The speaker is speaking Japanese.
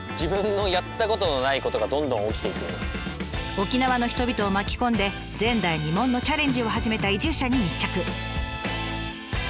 沖縄の人々を巻き込んで前代未聞のチャレンジを始めた移住者に密着。